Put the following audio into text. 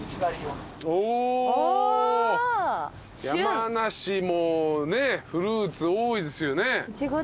山梨もねフルーツ多いですよね。